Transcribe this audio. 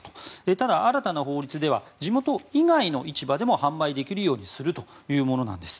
ただ、新たな法律では地元以外の市場でも販売できるようにするというものです。